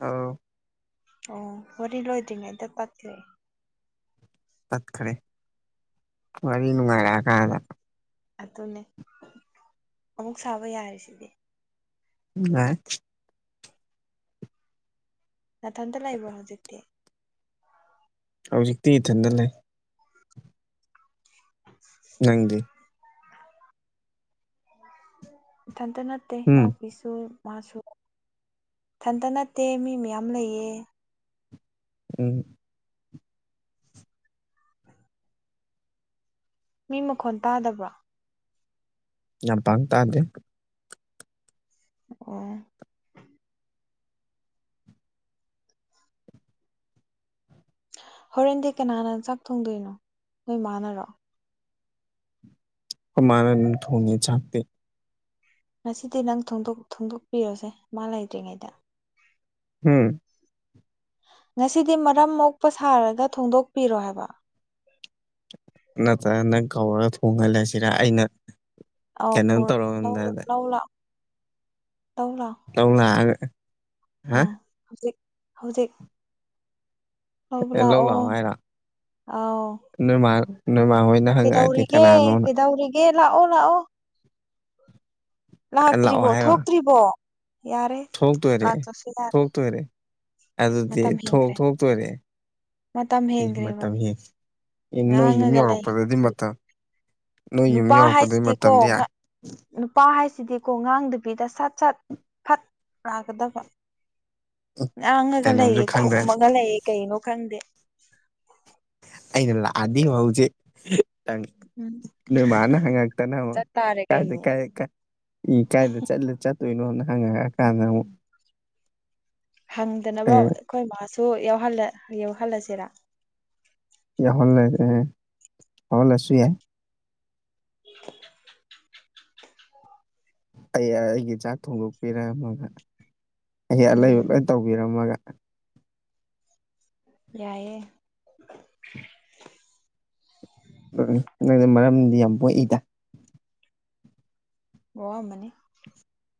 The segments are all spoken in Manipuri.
ꯑ ꯑꯣ ꯋꯥꯔꯤ ꯂꯣꯏꯗ꯭ꯔꯤꯉꯩ ꯑꯝꯗ ꯇꯥꯛꯈ꯭ꯔꯦ ꯇꯠ ꯈꯔꯦ ꯋꯥꯔꯤ ꯋꯥꯔꯤꯅꯅꯨꯡꯉꯥꯏꯔ ꯀꯗ ꯑꯗꯨꯅꯦ ꯑꯃꯨꯛ ꯁꯥꯕ ꯌꯥꯔꯤꯁꯤꯗꯤ ꯌꯥ ꯉꯅꯥꯊꯟꯇ ꯂꯥꯛꯕ꯭ꯔ ꯍꯧꯖꯤꯛꯇꯤ ꯍꯧꯖꯤꯛꯇꯤ ꯏꯊꯟꯗ ꯂꯩ ꯅꯪꯒꯤ ꯊꯥꯟ ꯇꯅꯦ ꯎꯝ ꯄꯁꯨ ꯃꯥꯁꯨꯊꯟꯇ ꯅꯠꯇꯦ ꯃꯤ ꯃꯌꯥꯝ ꯂꯩꯌꯦ ꯎꯝ ꯃꯤ ꯃꯈꯣꯟ ꯇꯥꯗꯕ꯭ꯔꯣ ꯌꯥꯝ ꯄꯥꯡ ꯇꯥꯗꯦ ꯑꯣ ꯍꯣꯔꯦꯟꯗꯤ ꯀꯅꯥꯅ ꯆꯥꯛ ꯊꯣꯡꯗꯣꯏꯅꯣ ꯅꯣꯏ ꯃꯥꯥꯟꯅꯔꯣ ꯀꯃꯅ ꯊꯣꯡꯅꯤ ꯆꯥꯇ ꯉꯁꯤꯗꯤ ꯅꯪ ꯊꯣꯡꯗꯣꯛꯄꯤꯔꯣꯁꯦ ꯃꯥ ꯂꯩꯇ꯭ꯔꯤꯉꯩꯗ ꯎꯝ ꯉꯁꯤꯗꯤ ꯃꯔꯝ ꯃꯣꯛꯄ ꯁꯥꯔꯒ ꯊꯣꯡꯗꯣꯛꯄꯤꯔꯣ ꯍꯥꯏꯕ ꯅꯠꯇ꯭ꯔꯒ ꯅꯪ ꯀꯧꯔꯒ ꯊꯣꯡꯍꯜꯂꯁꯤꯔ ꯑꯩꯅ ꯑꯥꯎ ꯀꯩꯅꯣꯝ ꯂꯧ ꯇꯧꯔꯝꯗꯥꯏꯗ ꯂꯧꯂ ꯂꯧꯔꯥꯛ ꯂꯧꯧ ꯂꯥꯛꯑꯒ ꯑ ꯍꯥ ꯍꯧꯖꯤꯛ ꯍꯧꯖꯤꯛ ꯑꯦ ꯂꯧ ꯂꯥꯛꯑꯣ ꯍꯥꯏꯔꯃ ꯅꯃ ꯍꯣꯏ ꯀꯩꯗꯧꯔꯤꯒꯦ ꯀꯩꯗꯧꯔꯤꯒꯦ ꯂꯥꯛꯑꯣ ꯂꯥꯛꯑꯣ ꯂꯥꯛꯑꯣ ꯂꯥꯛꯇ꯭ꯔꯤꯕꯣ ꯍꯥꯏꯔꯣ ꯊꯣꯛꯇ꯭ꯔꯤꯕꯣ ꯌꯥꯔꯦ ꯊꯣꯛꯇꯣꯏꯔꯦ ꯊꯣꯛꯇꯣꯏꯔꯦ ꯑꯗꯨꯗꯤ ꯊꯣꯛ ꯊꯣꯛꯇꯣꯏꯔꯦ ꯑꯦ ꯃꯇꯝ ꯍ ꯅꯣꯏ ꯌꯨꯝ ꯌꯧꯔꯛꯄꯗꯗꯤ ꯃꯇꯝ ꯅꯣꯏ ꯌꯨꯝ ꯅꯨꯄꯥ ꯌꯧꯔꯛꯄꯗꯩ ꯍꯥꯏꯁꯤꯗꯤꯀꯣ ꯃꯇꯝꯗꯤ ꯉꯍꯥꯛ ꯅꯨꯄꯥ ꯍꯥꯏꯁꯤꯗꯤꯀꯣ ꯉꯥꯡꯗꯕꯤꯗ ꯁꯠ ꯁꯠ ꯐꯠꯇꯒꯗꯕ ꯉꯥꯡꯉꯒ ꯀꯩꯅꯣꯝꯁꯨ ꯂꯩꯌꯦ ꯈꯪꯗ꯭ꯔꯦ ꯈꯨꯝꯃꯒ ꯂꯩꯌꯦ ꯀꯩꯅꯣ ꯈꯪꯗꯦ ꯑꯩꯅ ꯂꯥꯛꯗꯤ ꯍꯎꯁꯦꯪ ꯅꯨꯃꯅ ꯍꯪꯉꯛꯇꯅ ꯑꯃꯨꯛ ꯀꯥꯏꯗ ꯀꯥꯏꯗꯥꯏ ꯀꯥꯏꯗ ꯆꯠꯂꯨ ꯆꯠ ꯇꯣꯏꯅꯣ ꯍꯅ ꯍꯪꯉ ꯀꯥꯟꯉꯣ ꯍꯪꯗꯅꯕ ꯑꯦ ꯑꯩꯈꯣꯏ ꯃꯥꯁꯨ ꯌꯥꯧꯍꯜꯂꯁꯤꯔꯥ ꯏ ꯍꯣꯜ ꯑꯦ ꯍꯜ ꯂꯁꯨ ꯌꯥꯏ ꯖꯅꯝꯃꯝ ꯑꯩ ꯑꯩꯒꯤ ꯆꯥꯛ ꯊꯣꯡꯗꯣꯛꯄꯤꯔꯝꯃꯒ ꯑꯩ ꯑꯂꯩ ꯎꯠꯂꯣꯏ ꯇꯧꯕꯤꯔꯝꯃꯒ ꯌꯥꯏꯑꯌꯦ ꯅꯪꯅ ꯃꯔꯝꯗꯤ ꯌꯥꯝ ꯄꯣꯛꯏꯗ ꯋꯥꯃꯅꯤ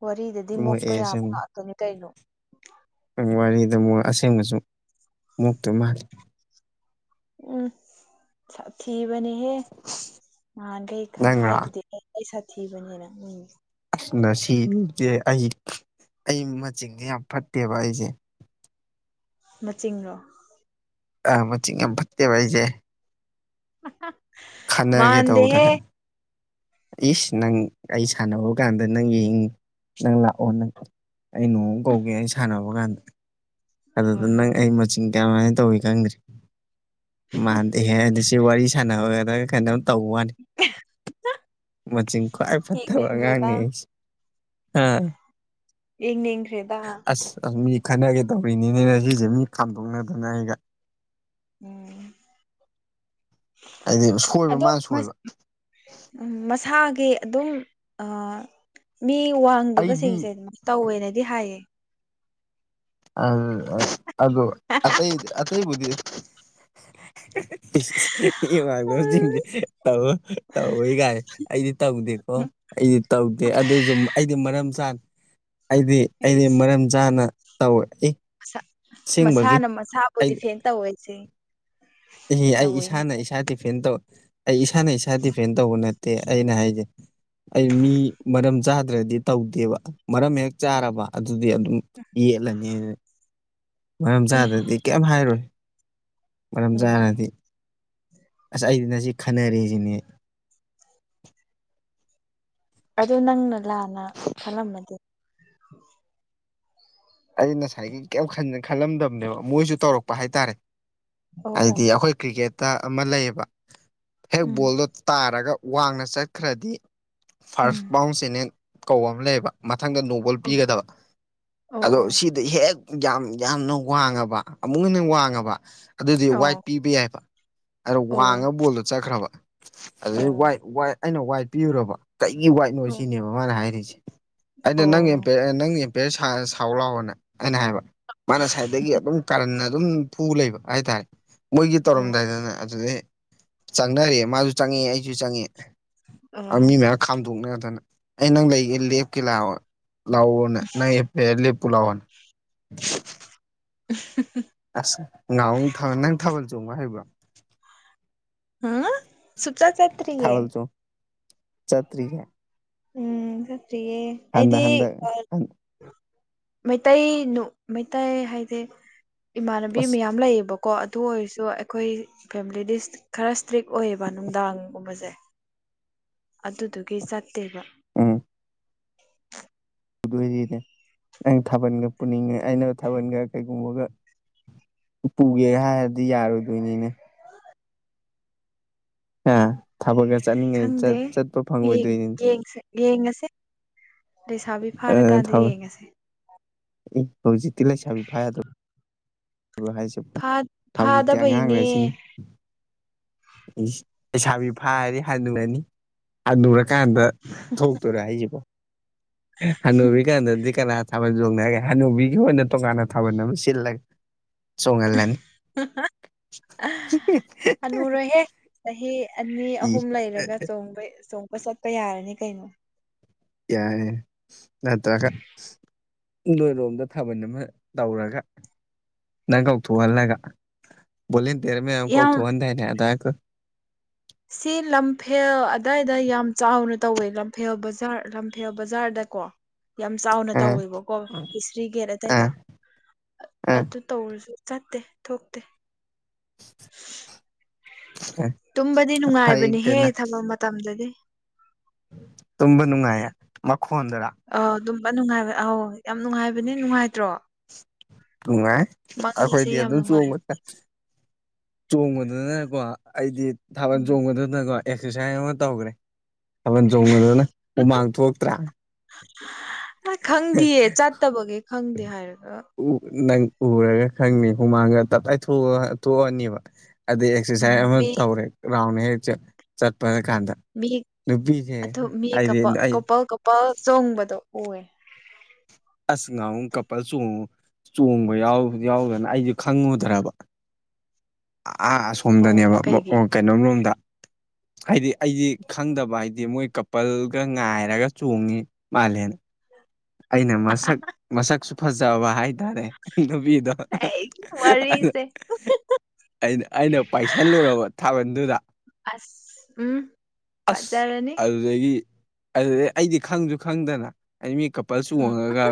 ꯋꯥꯔꯤꯗꯗꯤ ꯃꯣꯛꯄ ꯃꯣꯛꯑꯦ ꯌꯥꯕ ꯑꯁꯦꯡꯕ ꯉꯥꯛꯇꯅꯤ ꯀꯩꯅꯣ ꯋꯥꯔꯤꯗ ꯑꯃꯨꯛ ꯑꯁꯦꯡꯕꯁꯨ ꯃꯨꯛꯇꯨ ꯃꯥꯜꯂꯤ ꯎꯝ ꯊꯤꯕꯅꯦꯍꯦ ꯃꯥꯥꯟꯈꯩ ꯈ ꯅꯪꯔꯥ ꯍꯥꯏꯗꯨꯗꯤ ꯑꯩꯩ ꯁꯥꯊꯤꯕꯅꯦꯅ ꯃꯣꯏ ꯑꯁꯅ ꯁꯤꯁꯦ ꯑꯩ ꯑꯩ ꯃꯆꯤꯡꯁꯦ ꯌꯥꯝ ꯐꯠꯇꯦꯕ ꯑꯩꯁꯦ ꯃꯤꯡꯡꯂꯣ ꯃꯆ ꯌꯥꯝ ꯐꯠꯇꯦꯕ ꯑꯩꯁꯦ ꯑ ꯈꯟꯅꯒꯦ ꯇꯧꯕꯗꯅ ꯏꯁ ꯅꯪ ꯑꯩ ꯁꯥꯟꯅꯕ ꯀꯥꯟꯗ ꯅꯪ ꯌꯦꯡ ꯅꯪ ꯂꯥꯛꯑꯣ ꯅꯪ ꯑꯩ ꯅꯣꯡ ꯀꯧꯒꯦ ꯑꯩ ꯁꯥꯟꯅꯕ ꯀꯥꯟꯗ ꯑꯗꯨꯗ ꯅꯪ ꯑꯩ ꯃꯆꯤꯟ ꯀꯌꯥꯃꯥꯏꯅ ꯇꯧꯏ ꯈꯪꯗ꯭ꯔꯦ ꯃꯥꯗꯤꯍꯦ ꯍꯥꯏꯗꯤ ꯁꯤ ꯋꯥꯔꯤ ꯁꯅꯕꯒꯗꯒ ꯀꯩꯅ ꯑꯗꯨ ꯇꯧꯕꯅꯤ ꯃꯆꯤꯟ ꯈ꯭ꯋꯥꯏ ꯐꯠꯇꯕ ꯑꯉꯥꯡꯅꯤ ꯑꯩꯁꯦ ꯑꯥ ꯌꯦꯡ ꯌꯦ꯭ꯔꯦꯗ ꯑꯁ ꯃꯤ ꯈꯟꯅꯒꯦ ꯇꯧꯔꯤꯅꯤꯅꯦꯅ ꯁꯤꯁꯦ ꯃꯤ ꯈꯥꯝꯗꯣꯛꯅꯗꯅ ꯑꯩꯒ ꯎꯝ ꯑꯩꯗꯤ ꯁꯣꯏꯕ ꯃꯥꯅ ꯑꯗꯣꯁ ꯁꯣꯏꯕ ꯝ ꯃꯁꯥꯒꯤ ꯑꯗꯨꯝ ꯃꯤ ꯑꯩꯗꯤ ꯋꯥꯡꯗꯕꯁꯤꯡꯁꯦ ꯑꯗꯨ ꯇꯧꯋꯦꯅꯗꯤ ꯍꯥꯏꯌꯦ ꯑ ꯑꯗꯨꯗ ꯑꯇꯩꯩ ꯑꯇꯩꯩꯕꯨꯗꯤ ꯆꯦ ꯇ ꯇꯧ ꯀꯥꯏ ꯑꯩꯗꯤ ꯇꯧꯗꯦꯀꯣ ꯑꯩꯗꯤ ꯇꯧꯗꯦ ꯑꯗꯨꯁꯨ ꯑꯩꯗꯤ ꯃꯔꯝ ꯆꯥꯅ ꯑꯩꯗꯤ ꯑꯩꯗꯤ ꯃꯔꯝ ꯆꯥꯅ ꯇꯧꯋꯏ ꯃꯁꯥꯅ ꯃꯁꯥꯕꯨ ꯗꯤꯐꯦꯟ ꯇꯧꯁꯦ ꯑꯦ ꯑꯩ ꯏꯁꯥꯅ ꯏꯁꯥ ꯗꯤꯐꯦꯟ ꯇꯧ ꯑꯩ ꯏꯁꯥꯅ ꯏꯁꯥ ꯗꯤꯐꯦꯟ ꯇꯧꯕ ꯅꯠꯇꯦ ꯑꯩꯅ ꯍꯥꯏꯖꯩ ꯑꯩ ꯃꯤ ꯃꯔꯝ ꯆꯥꯗ꯭ꯔꯗꯤ ꯇꯧꯗꯦꯕ ꯃꯔꯝ ꯍꯦꯛ ꯆꯥꯔꯕ ꯑꯗꯨꯗꯤ ꯑꯗꯨꯝ ꯌꯦꯠꯂꯅꯤꯅ ꯃꯔꯝ ꯆꯥꯗꯗꯤ ꯀꯩꯝ ꯍꯥꯏꯔꯣꯏ ꯃꯔꯝ ꯆꯥꯔꯗꯤ ꯑꯁ ꯑꯩꯗꯤ ꯅ ꯁꯤ ꯈꯟꯅꯔꯁꯤꯅꯦ ꯑꯗꯨꯗ ꯅꯪꯅ ꯂꯥꯟꯅ ꯈꯜꯂꯝꯃꯗꯤ ꯑꯩ ꯉꯁꯥꯏꯒꯤ ꯀꯩꯝ ꯈꯜꯂꯝꯗꯕꯅꯦꯕ ꯃꯣꯏꯁꯨ ꯇꯧꯔꯛꯄ ꯍꯥꯏꯇꯥꯔꯦ ꯍꯥꯏꯗꯤ ꯑꯩꯈꯣꯏ ꯀ꯭ꯔꯤꯀꯦꯠꯇ ꯑꯃ ꯂꯩꯌꯦꯕ ꯍꯦꯛ ꯕꯣꯜꯗꯣ ꯇꯥꯔꯒ ꯋꯥꯡꯅ ꯆꯠꯈ꯭ꯔꯗꯤ ꯐꯥꯔꯁ ꯄꯕꯥꯥꯎꯟꯁꯤꯅꯦ ꯀꯧꯕ ꯑꯃ ꯂꯩꯌꯦꯕ ꯃꯊꯪꯗ ꯅꯣꯡꯕꯣꯜ ꯄꯤꯒꯗꯕ ꯑꯗꯣ ꯁꯤꯗ ꯍꯦꯛ ꯌꯥꯝ ꯌꯥꯝꯅ ꯋꯥꯡꯉꯕ ꯑꯃꯨꯛ ꯍꯦꯟꯅ ꯋꯥꯡꯉꯕ ꯑꯗꯨꯗꯤ ꯋꯥꯏꯠ ꯄꯤꯕ ꯌꯥꯏꯕ ꯑꯗꯣ ꯋꯥꯡꯉꯒ ꯕꯣꯜꯗꯣ ꯆꯠꯈ꯭ꯔꯕ ꯑꯗꯨ ꯑꯩꯅ ꯋꯥꯏꯠ ꯄꯤꯔꯨꯔꯕ ꯀꯩꯒꯤ ꯋꯥꯏꯠꯅꯣ ꯁꯤꯅꯦꯕ ꯃꯥꯅ ꯍꯥꯏꯔꯤꯁꯦ ꯑꯩꯅ ꯅꯪ ꯅꯪꯒꯤ ꯑꯦꯝꯄꯤꯌꯔ ꯁꯥꯎ ꯂꯥꯎꯕꯅꯦ ꯑꯩꯅ ꯍꯥꯏꯕ ꯃꯥꯅ ꯁꯥꯏꯠꯇꯗꯒꯤ ꯑꯗꯨꯝ ꯀꯔꯟꯅ ꯑꯗꯨꯝ ꯐꯨ ꯂꯩꯕ ꯍꯥꯏꯇꯥꯔꯦ ꯃꯣꯏꯒꯤ ꯇꯧꯔꯝꯗꯥꯏꯗꯅ ꯑꯗꯨꯗꯤꯩ ꯆꯪꯅꯔꯤꯌꯦ ꯃꯥꯁꯨ ꯆꯪꯉꯦ ꯑꯩꯁꯨ ꯆꯪꯉꯦ ꯃꯤ ꯃꯌꯥꯝ ꯈꯥꯝꯗꯣꯛꯅꯗꯅ ꯑꯩ ꯅꯪ ꯂꯩꯒꯦ ꯂꯦꯞꯀꯦ ꯂꯥꯛꯑꯣ ꯂꯥꯎꯑꯣꯣꯅꯦ ꯅ ꯄꯦ ꯂꯦꯄꯨ ꯂꯥꯎꯑꯣꯅꯦ ꯎ ꯑꯁ ꯉꯥ ꯅꯪ ꯊꯥꯕꯜ ꯆꯣꯡꯕ ꯍꯥꯏꯕ꯭ꯔꯣ ꯑ ꯆꯨꯄꯆꯥ ꯆꯠ ꯊꯥꯕꯜ ꯆꯣ ꯆꯇꯔꯤꯒꯦ ꯎꯝ ꯐꯔꯤꯌꯦ ꯑꯩꯗꯤ ꯍꯟꯗꯛ ꯍꯟꯗꯛ ꯃꯩꯇꯩꯅ ꯃꯩꯇꯩ ꯍꯥꯏꯗꯤ ꯏꯃꯥꯟꯅꯕꯤ ꯑꯁ ꯃꯌꯥꯝ ꯂꯩꯌꯦꯕꯀꯣ ꯀꯣ ꯑꯗꯨ ꯑꯣꯏꯔꯁꯨ ꯑꯩꯈꯣꯏ ꯐꯦꯃꯤꯂꯤꯗꯤ ꯈꯔ ꯏꯁ꯭ꯇ꯭ꯔꯤꯛ ꯑꯣꯏꯌꯦꯕ ꯅꯨꯡꯗꯥꯡꯒꯨꯝꯕꯁꯦ ꯑꯗꯨꯗꯨꯒꯤ ꯆꯠꯇꯦꯕ ꯎꯝ ꯗꯣꯏꯅꯦ ꯑꯩꯅ ꯊꯥꯕꯜꯒ ꯄꯨꯅꯤꯡꯉꯦ ꯑꯩꯅ ꯊꯥꯕꯜꯒ ꯀꯩꯒꯨꯝꯕꯒ ꯄꯨꯒꯦ ꯍꯥꯏꯔꯗꯤ ꯌꯥꯔꯣꯏꯗꯣꯏꯅꯤꯅꯦ ꯑ ꯊꯕꯛꯀ ꯆꯠꯅꯤꯡꯉꯗꯤ ꯆꯠꯄ ꯐꯪꯉꯣꯏꯗꯣꯏꯅꯤꯅꯤ ꯌꯦꯡꯉꯁꯦ ꯂꯩꯁꯥꯕꯤ ꯐꯥꯔꯀꯥꯟꯗ ꯌꯦꯡꯉꯁꯦ ꯏ ꯍꯖꯤꯇꯤ ꯂꯩꯦꯁꯃꯤ ꯐꯥꯏ ꯑꯗꯨꯣ ꯑ ꯍꯥꯏꯁꯦꯕ ꯍꯧꯖꯤꯛꯇꯤ ꯑꯉꯥꯡꯔ ꯁꯤꯅꯤ ꯂꯩꯁꯥꯕꯤ ꯐꯥꯔꯗꯤ ꯍꯜꯂꯨꯔꯅꯤ ꯍꯜꯂꯨꯔꯀꯥꯟꯗ ꯊ ꯇꯣꯏꯔ ꯍꯥꯏꯕꯅ ꯀꯥꯟ ꯅꯗꯤ ꯀꯥꯟꯅ ꯍꯥ ꯊꯥꯕꯜ ꯆꯣꯡꯅꯒꯦ ꯍꯅꯨꯕꯤꯒꯤ ꯑꯣꯏꯅ ꯇꯣꯉꯥꯟꯅ ꯊꯥꯕꯜ ꯑꯃ ꯁꯤꯜꯂꯒꯦ ꯆꯣꯡꯉꯜ ꯂꯅꯤ ꯆꯍꯤ ꯑꯅꯤ ꯑꯍꯨꯝ ꯂꯩꯔꯒ ꯆꯣꯡꯕ ꯆꯣꯡꯄ ꯆꯠꯄ ꯌꯥꯔꯅꯤ ꯀꯩꯅꯣ ꯌꯥꯏꯑꯦ ꯅꯠꯇ꯭ꯔ ꯅꯣꯏꯔꯣꯝꯗ ꯊꯥꯕꯜ ꯑꯃ ꯇꯧꯔꯒ ꯅꯪ ꯀꯧꯊꯣꯛꯍꯜꯂꯒ ꯕꯣꯂꯤꯟꯇꯤꯌꯔ ꯃꯌꯥꯝ ꯀꯧꯊꯣꯛꯍꯟꯗꯥꯏꯅꯦ ꯑꯗ ꯁꯤ ꯂꯝꯐꯦꯜ ꯑꯗꯥꯋꯥꯏꯗ ꯌꯥꯝ ꯆꯥꯎꯅ ꯇꯧꯋꯦ ꯂꯝꯐꯦꯜ ꯕꯖꯥꯔ ꯂꯝꯐꯦꯜ ꯕꯖꯥꯔꯗ ꯀꯣ ꯌꯥꯝ ꯆꯥꯎꯅ ꯑꯥ ꯇꯧꯋꯦꯕꯀꯣ ꯏꯁꯤꯁꯇ꯭ꯔꯤ ꯒꯦꯠ ꯑꯗꯨꯏꯗ ꯑꯥ ꯑꯥ ꯑꯗꯨ ꯇꯧꯔꯁꯨ ꯆꯠꯇꯦ ꯊꯣꯛꯇꯦ ꯇꯨꯝꯕꯗꯤ ꯐꯩ ꯅꯨꯡꯉꯥꯏꯕꯅꯤꯍꯦ ꯀꯩꯅꯣ ꯊꯝꯕ ꯃꯇꯝꯗꯗꯤ ꯇꯨꯝꯕ ꯅꯨꯡꯉꯥꯏꯌꯦ ꯃꯈꯣꯟꯗꯔꯥ ꯑ ꯑꯗꯨꯝꯕ ꯅꯨꯡꯉꯥꯏꯕ ꯑꯧ ꯌꯥꯝ ꯅꯨꯡꯉꯥꯏꯕꯅꯦ ꯅꯨꯡꯉꯥꯏꯇ꯭ꯔꯣ ꯅꯨꯡꯉꯥꯏ ꯑꯩꯈꯣꯏꯗꯤ ꯑꯗꯨꯝ ꯆꯣꯡꯕ ꯆꯠ ꯆꯣꯡꯕꯗꯅꯀꯣ ꯑꯩꯗꯤ ꯊꯥꯕꯜ ꯆꯣꯡꯕꯗꯅꯀꯣ ꯑꯦꯛꯁꯔꯁꯥꯏꯖ ꯑꯃ ꯇꯧꯈ꯭ꯔꯦ ꯊꯥꯕꯜ ꯆꯣꯡꯒꯣꯗꯅ ꯍꯨꯃꯥꯡ ꯊꯣꯛꯇ꯭ꯔꯥ ꯑ ꯈꯪꯗꯦꯌꯦ ꯆꯠꯇꯕꯒꯤꯦ ꯈꯪꯗꯦ ꯍꯥꯏꯔꯒ ꯎ ꯅꯪ ꯎꯔꯒ ꯈꯪꯅꯤ ꯍꯨꯃꯥꯡꯒ ꯇꯞꯇꯥꯏ ꯊꯣꯛꯑ-ꯊꯣꯛꯑꯅꯤꯕ ꯑꯗꯩ ꯑꯦꯛꯁꯔꯁꯥꯏꯖ ꯑꯃ ꯇꯧꯔꯦ ꯔꯥꯎꯟ ꯍꯦꯛ ꯆꯠꯄ ꯀꯥꯟꯗ ꯗꯨꯄꯤꯁꯦ ꯍꯥꯏꯗ ꯄꯜ ꯆꯣꯡꯕꯗꯣ ꯎꯑ ꯑꯁ ꯉꯥꯍꯨ ꯀꯄꯜ ꯆꯣꯡꯉꯨ ꯆꯣꯡꯕ ꯌꯥ ꯌꯥꯎꯗꯅ ꯑꯩꯁꯨ ꯈꯪꯉꯨꯗ꯭ꯔꯕ ꯑꯁꯣꯝꯗꯅꯦꯕ ꯀꯩꯅꯣꯝꯂꯣꯝꯗ ꯍꯥꯏꯗꯤ ꯑꯩꯗꯤ ꯈꯪꯗꯕ ꯍꯥꯏꯗꯤ ꯃꯣꯏ ꯀꯄꯜꯒ ꯉꯥꯏꯔꯒ ꯆꯣꯡꯉꯤ ꯃꯥꯜꯂꯦꯅ ꯑꯩꯅ ꯃꯁꯛ ꯃꯁꯛꯁꯨ ꯐꯖꯕ ꯍꯥꯏ ꯇꯥꯔꯦ ꯅꯕꯤꯗ ꯑꯩꯅ ꯑꯩꯅ ꯄꯥꯏꯁꯜꯂꯨꯔꯕ ꯊꯥꯕꯜꯗꯨꯗ ꯑꯁ ꯎꯝ ꯑꯁ ꯐꯖꯔꯅꯤ ꯑꯗꯨꯗꯒꯤ ꯑꯗꯨꯗꯩ ꯑꯩꯗꯤ ꯈꯪꯁꯨ ꯈꯪꯗꯅ ꯑꯩ ꯃꯤ ꯀꯄꯜ ꯆꯣꯡꯉꯒ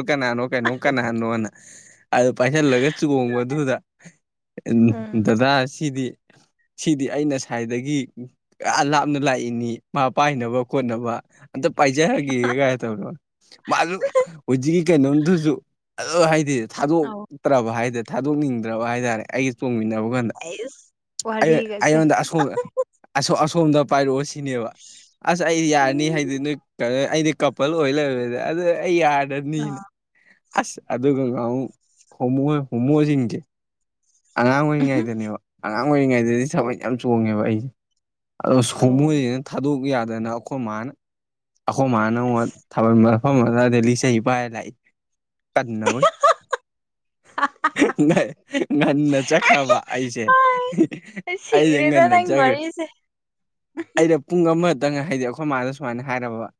ꯜ ꯀꯅꯥꯅꯣ ꯀꯩꯅꯣ ꯀꯅꯥ ꯍꯅꯣꯅ ꯑꯗꯨ ꯄꯥꯏꯁꯤꯜꯂꯒ ꯆꯣꯡꯕꯗꯨꯗ ꯗꯗꯥ ꯑꯁꯤꯗꯤ ꯁꯤꯗꯤ ꯑꯩꯅ ꯁꯥꯏꯗꯒꯤ ꯑ ꯂꯥꯞꯅ ꯂꯥꯛꯏꯅꯤ ꯃꯥ ꯄꯥꯏꯅꯕ ꯈꯣꯠꯅꯕ ꯑꯝꯇ ꯄꯥꯏꯖꯔꯒꯦ ꯀꯥꯏ ꯇꯧꯅꯣ ꯃꯥꯁꯨ ꯍꯧꯖꯤꯛꯀꯤ ꯀꯩꯅꯣꯝꯗꯨꯁꯨ ꯑꯗꯨ ꯍꯥꯏꯗꯤ ꯊꯥꯗꯣꯛ ꯐꯠꯇ꯭ꯔꯕ ꯍꯥꯏꯇꯥꯦ ꯊꯥꯗꯣꯛꯅꯤꯡꯗ꯭ꯔꯕ ꯍꯥꯏꯇꯥꯔꯦ ꯑꯩꯒ ꯆꯣꯡꯃꯤꯟꯅꯕ ꯑꯩ ꯑꯩꯣꯟꯗ ꯑꯁ ꯑꯁꯣ-ꯑꯁꯣꯝꯗ ꯄꯥꯏꯔꯛꯑꯣ ꯁꯤꯅꯦꯕ ꯑꯁ ꯑꯩꯗꯤ ꯌꯥꯔꯅꯤ ꯍꯥꯏꯗꯤ ꯀꯩꯅꯣ ꯑꯩꯗꯤ ꯀ ꯄꯄꯜ ꯑꯣꯏ ꯂꯩꯕꯗ ꯑꯗꯨ ꯑꯩ ꯌꯥꯗꯅꯤꯅꯦ ꯑꯁ ꯑꯗꯨꯒ ꯉ ꯍꯣꯃꯨ ꯍꯣꯃꯨꯣꯏꯁꯤꯟꯁꯦ ꯑꯉꯥꯡ ꯑꯣꯏꯔꯤꯉꯩꯗꯅꯦꯕ ꯑꯉꯥꯡ ꯑꯣꯏꯔꯤꯉꯩꯗꯗꯤ ꯊꯕꯛ ꯌꯥꯝ ꯆꯣꯡꯉꯦꯕ ꯑꯩꯁꯦ ꯑꯗꯣ ꯍꯣꯃꯣꯏꯁꯤꯅ ꯊꯥꯗꯣꯛ ꯌꯥꯗꯅ ꯑꯩꯈꯣꯏ ꯃꯥꯅ ꯑꯈꯣꯏ ꯃꯥꯅ ꯎ ꯊꯥꯕꯜꯕ ꯍꯃꯗ ꯗꯦꯜꯂꯤ ꯁ ꯄꯔ ꯂꯥꯛꯏ ꯀꯗꯅꯕꯨ ꯥ [unintelligible] ꯉꯟꯅ ꯆꯠꯈ꯭ꯔꯕ ꯑꯩꯁꯦ ꯑꯩꯁꯦ ꯉꯟꯅ ꯆꯠꯈ꯭ꯔꯦ ꯑꯩꯗ ꯄꯨꯡ ꯑꯃꯗꯪ ꯍꯥꯏꯗꯤ ꯑꯩꯈꯣꯏ ꯃꯥꯥꯗ ꯁꯨꯃꯥꯏꯅ ꯍꯥꯏꯔꯕ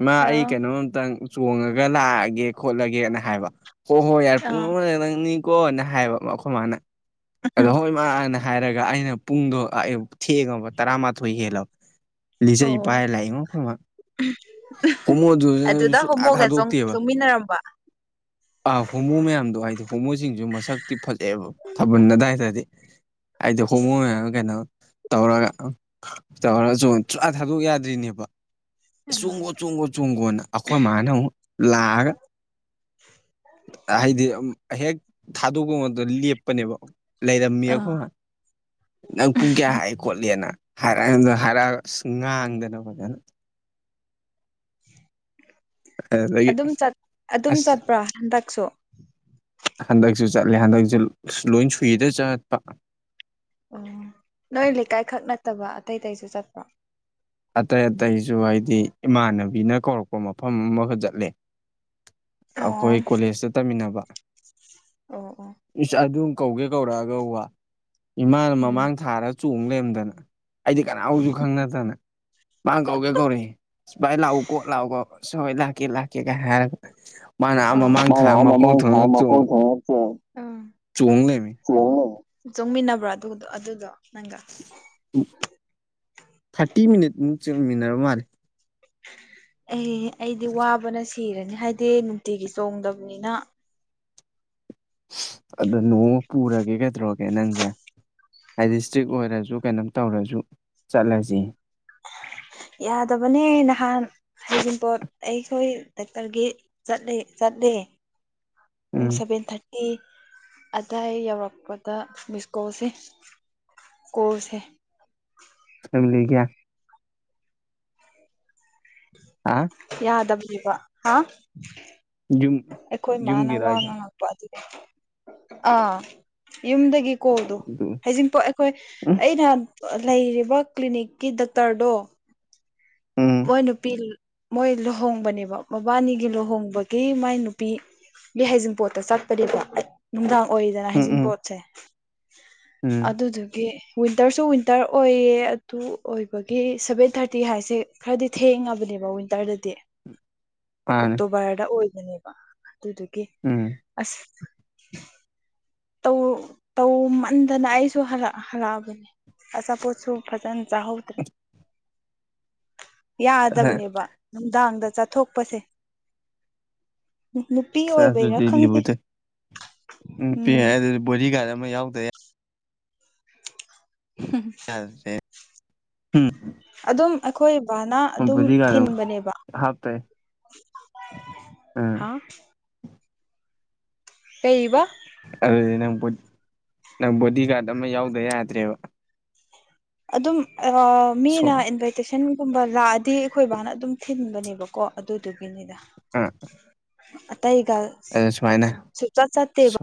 ꯏꯃꯥ ꯑꯩ ꯀꯩꯅꯣꯝꯝꯇꯪ ꯆꯣꯡꯉꯒ ꯂꯥꯛꯑꯒꯦ ꯈꯣꯠꯂꯒꯦꯅ ꯍꯥꯏꯕ ꯍꯣꯏ ꯍꯣꯏ ꯌꯥꯔꯦ ꯄꯨꯡ ꯑꯃꯗ ꯅꯪꯅꯤꯀꯣꯅ ꯍꯥꯏꯕ ꯑꯩꯈꯣꯏ ꯃꯥꯅ ꯑꯗꯣ ꯍꯣꯏ ꯏ ꯃꯥꯅ ꯍꯥꯏꯔꯒ ꯑꯩꯅ ꯄꯨꯡꯗꯣ ꯑꯌꯧ ꯊꯦꯡꯉꯕ ꯇꯔꯥꯃꯥꯊꯣꯏ ꯍꯦꯜꯂ ꯂꯤꯖꯩ ꯏ ꯄꯥꯏ ꯂꯥꯏꯌꯦꯉ ꯈꯨꯗꯤꯣꯏꯃꯛ ꯀꯃꯑꯣꯗꯁꯨ ꯑꯗ ꯍꯥꯥꯗꯣꯛꯇ ꯍꯥꯏꯕ ꯑꯥ ꯍꯣꯃꯣ ꯃꯌꯥꯝꯗꯣ ꯍꯥꯏꯗꯤ ꯍꯣꯃꯨꯁꯤꯡꯁꯨ ꯃꯁꯛꯇꯤ ꯐꯠꯂꯛꯑꯦꯕ ꯊꯥꯕꯜ ꯑꯗꯨꯗꯥꯋꯥꯏꯗꯗꯤ ꯑꯩꯗꯤ ꯍꯣꯡꯉꯣꯏ ꯃꯌꯥꯝ ꯀꯩꯅꯣ ꯇꯧꯔꯒ ꯇꯧꯔꯁꯨ ꯁꯨꯡꯌꯥꯥ ꯊꯥꯗꯣꯛ ꯌꯥꯗ꯭ꯔꯤꯅꯦꯕ ꯆꯨꯝꯒꯣ ꯆꯣꯡꯒꯣ ꯆꯣꯡꯒꯣꯅ ꯑꯩꯈꯣꯏ ꯃꯥꯅ ꯑꯃꯨꯛ ꯂꯥꯛꯑꯒ ꯎꯃꯝ ꯍꯥꯏꯗꯤ ꯍꯦꯛ ꯊꯥꯗꯣꯛꯄ ꯉꯗ ꯂꯦꯞꯄꯅꯦꯕ ꯂꯩꯔꯝꯃꯤ ꯑꯩꯈꯣꯏ ꯅꯪ ꯄꯨꯡ ꯀꯌꯥ ꯍꯥꯏꯔꯑꯦ ꯈꯣꯠꯂꯤꯦꯅ ꯍꯥꯏꯔꯛꯑ ꯑꯩꯉꯣꯟꯗ ꯍꯥꯏꯔꯛꯑꯒ ꯑꯁ ꯉꯥꯡꯗꯅ ꯐꯖꯅ ꯑꯗꯨꯗꯒꯤ ꯑꯗꯨꯝ ꯑꯗꯨꯝ ꯑꯁ ꯆꯠꯄ꯭ꯔꯣ ꯍꯟꯗꯛꯁꯨ ꯍꯟꯗꯛꯁꯨ ꯆꯠꯂꯦ ꯍꯟꯗꯛꯁꯨ ꯂꯣꯏ ꯁꯨꯏꯗ ꯆꯠꯄ ꯑꯣ ꯅꯣꯏ ꯂꯩꯀꯥꯏꯈꯛ ꯅꯠꯇꯕ ꯑꯇꯩ ꯑꯇꯩꯁꯨ ꯆꯠꯄ ꯑꯇꯩ ꯑꯇꯩꯁꯨ ꯍꯥꯏꯗꯤ ꯏꯃꯥꯟꯅꯕꯤꯅ ꯀꯧꯔꯛꯄ ꯃꯐꯝ ꯑꯃꯈꯛ ꯆꯠꯂꯦ ꯑꯩꯈꯣꯏ ꯀꯣꯂꯦꯖꯇ ꯇꯝꯃꯤꯟꯅꯕ ꯑꯣ ꯑꯣ ꯏꯁ ꯑꯗꯨꯝ ꯀꯧꯒꯦ ꯀꯧꯔꯛꯑ ꯀꯧꯕ ꯏꯃꯥꯅ ꯃꯃꯥꯡ ꯊꯥꯔꯒ ꯆꯣꯡ ꯂꯔꯦꯝꯗꯅ ꯑꯩꯗꯤ ꯀꯅꯥꯕꯨꯁꯨ ꯈꯪꯅꯗꯅ ꯃꯥ ꯀꯧꯒꯦ ꯀꯧꯔꯚꯥꯏ ꯂꯥꯛꯎ ꯀꯣꯠ ꯂꯥꯛꯑꯣ ꯀꯣ ꯁ ꯍꯣꯏ ꯂꯥꯛꯀꯦ ꯂꯥꯛꯀꯦ ꯀꯥꯏ ꯍꯥꯏꯔꯒ ꯃꯥꯅ ꯑꯃ ꯃꯥꯡ ꯊꯥ ꯑꯃ ꯀꯧꯊꯅ ꯆ [inaudible] ꯆꯣꯡꯂꯦꯃꯦ ꯆꯣꯡꯃꯤꯟꯅꯕ꯭ꯔꯣ ꯑꯗꯨ ꯑꯗꯨꯗꯣ ꯅꯪꯒ ꯊꯥꯔꯇꯤ ꯃꯤꯅꯤꯠꯃꯨꯛ ꯆꯃꯤꯟꯅꯔ ꯃꯥꯜꯂꯦ ꯑꯩ ꯑꯩꯗꯤ ꯋꯥꯕꯅ ꯁꯤꯔꯅꯤ ꯍꯥꯏꯗꯤ ꯅꯨꯡꯇꯤꯒꯤ ꯆꯣꯡꯗꯕꯅꯤꯅ ꯑꯗꯣ ꯅꯣꯡꯃ ꯄꯨꯔꯒꯦ ꯀꯩꯗ꯭ꯔꯣꯒꯦ ꯅꯪꯁꯦ ꯍꯥꯏꯗꯤ ꯏꯁꯇ꯭ꯔꯤꯛ ꯑꯣꯏꯔꯁꯨ ꯀꯩꯅꯣꯝ ꯇꯧꯔꯁꯨ ꯆꯠꯂꯁꯤ ꯌꯥꯗꯕꯅꯦ ꯅꯍꯥꯟ ꯍꯡꯄꯣꯠ ꯑꯩꯈꯣꯏ ꯗꯥꯛꯇꯔꯒꯤꯠꯂ ꯆꯠꯂꯦ ꯎ ꯎꯝ ꯁꯚꯦꯟ ꯊꯥꯔꯇꯤ ꯑꯗꯥꯏ ꯌꯧꯔꯛꯄꯗ ꯃꯤꯁꯀꯣꯜꯁꯦ ꯀꯣꯜꯁꯦ ꯐꯃꯤ ꯂꯩꯒꯌꯥ [inaudible] ꯍꯥ ꯌꯥꯗꯕꯔꯤꯕ ꯍꯥ ꯌꯨꯝ ꯑꯩꯈꯣꯏ ꯃꯥꯅ ꯌꯨꯝꯒꯤꯔꯣ ꯋꯥ ꯍꯥꯏꯁꯦ ꯉꯥꯡꯉꯛꯄ ꯑꯗꯨꯗꯤ ꯑꯥ ꯌꯨꯝꯗꯒꯤ ꯀꯣꯜꯗꯣ ꯍꯖꯤꯡꯄꯣꯛ ꯑꯩꯈꯣꯏ ꯎꯝ ꯑꯩꯅ ꯂꯩꯔꯤꯕ ꯀ꯭ꯂꯤꯅꯤꯛꯀꯤ ꯗꯣꯛꯇꯔꯗꯣ ꯎꯝ ꯃꯣꯏ ꯅꯨꯄꯤ ꯃꯣꯏ ꯂꯨꯍꯣꯡꯕꯅꯦꯕ ꯃꯕꯥꯅꯤꯒꯤ ꯂꯨꯍꯣꯡꯕꯒꯤ ꯃꯥꯏ ꯅꯨꯄꯤ ꯕꯤ ꯍꯩꯖꯝꯄꯣꯠꯇ ꯆꯠꯄꯅꯦꯕꯣ ꯅꯨꯡꯗꯥꯡ ꯑꯣꯏꯗꯅ ꯎꯝ ꯎꯝ ꯍꯩꯖꯤꯡꯄꯣꯠꯁꯦ ꯎꯝ ꯑꯗꯨꯗꯨꯒꯤ ꯋꯤꯟꯇꯔꯁꯨ ꯋꯤꯟꯇꯔ ꯑꯣꯏꯌꯦ ꯑꯗꯨ ꯑꯣꯏꯕꯒꯤ ꯁꯚꯦꯟ ꯊꯥꯔꯇꯤ ꯍꯥꯏꯁꯦ ꯈꯔꯗꯤ ꯊꯦꯡꯉꯕꯅꯦꯕ ꯋꯤꯟꯇꯔꯗꯗꯤ ꯃꯥꯅꯦ ꯑꯣꯛꯇꯣꯕꯔꯗ ꯑꯣꯏ ꯅꯦꯕ ꯑꯗꯨꯗꯨꯒꯤ ꯎꯝ ꯑꯁ ꯇꯧꯃꯟꯗꯅ ꯑꯩꯁꯨ ꯍꯜꯂꯛꯑꯕꯅꯦ ꯑꯆꯥꯄꯣꯠꯁꯨ ꯐꯖꯅ ꯆꯥꯍꯧꯗ꯭ꯔꯦ ꯑꯁ ꯌꯥꯗꯕꯅꯦꯕ ꯅꯨꯡꯗꯥꯡꯗ ꯆꯠꯊꯣꯛꯄꯁꯦ ꯎ ꯅꯨꯄꯤ ꯑꯣꯏꯕꯩꯔꯥ ꯑꯗꯨꯗꯤ ꯈꯪꯗꯦ ꯄꯤ ꯍꯥꯏ ꯑꯗꯨꯗꯤ ꯕꯣꯗꯤ ꯒꯥꯔꯗ ꯑꯃ ꯌꯥꯎꯗꯦ ꯍ ꯌꯥꯁꯦ ꯎꯝ ꯑꯗꯨꯝ ꯑꯩꯈꯣꯏ ꯕꯥꯅ ꯑꯗꯨꯝ ꯊꯤꯟꯕꯅꯦꯕ ꯍꯥꯞꯄꯦ ꯍꯥ ꯂꯩꯕ ꯑꯗꯨꯗꯤ ꯅꯪ-ꯅꯪ ꯕꯣꯗꯤ ꯒꯥꯗ ꯑꯃ ꯌꯥꯎꯗ ꯌꯥꯗ꯭ꯔꯦꯕ ꯑꯗꯨꯝ ꯃꯤꯅ ꯁꯣꯏ ꯏꯟꯚꯥꯏꯇꯦꯁꯟꯒꯨꯝꯕ ꯂꯥꯛꯑꯗꯤ ꯑꯩꯈꯣꯏ ꯏꯕꯥꯅ ꯑꯗꯨꯝ ꯊꯤꯟꯕꯅꯦꯕꯀꯣ ꯀꯣ ꯑꯗꯨꯗꯨꯒꯤꯅꯤꯗ ꯑꯇꯩꯒ ꯑ ꯁꯨꯃꯥꯏꯅ ꯆꯠ-ꯆꯠꯇꯦꯕ